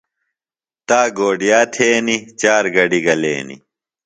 تا گوڈِیا تھینیۡ۔ چار گڈیۡ گلینیۡ۔